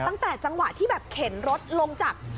ตั้งแต่จังหวะที่แบบเข็นรถลงจาก